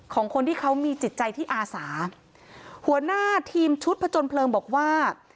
ของคนที่เขามีจิตใจที่อาสาหัวหน้าทีมชุดผจญเพลิงบอกว่า